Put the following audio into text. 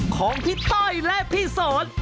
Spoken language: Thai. ของพี่ต้อยและพี่สอน